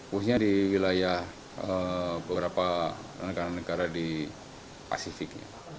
khususnya di wilayah beberapa negara negara di pasifik